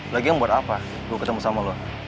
lagian buat apa gue ketemu sama lo